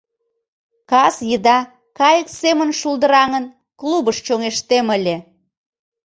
Кас еда кайык семын шулдыраҥын, клубыш чоҥештем ыле!